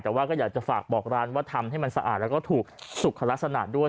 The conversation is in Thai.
แต่ว่าก็อยากจะฝากบอกร้านว่าทำให้มันสะอาดแล้วก็ถูกสุขลักษณะด้วย